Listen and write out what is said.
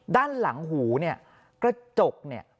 ด้านหลังหูเนี่ยกระจกเนี่ย